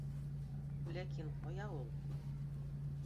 Ләкин кая ул!